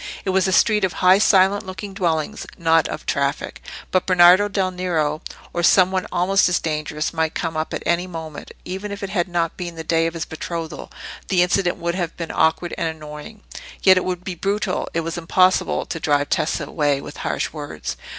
It was a street of high silent looking dwellings, not of traffic; but Bernardo del Nero, or some one almost as dangerous, might come up at any moment. Even if it had not been the day of his betrothal, the incident would have been awkward and annoying. Yet it would be brutal—it was impossible—to drive Tessa away with harsh words.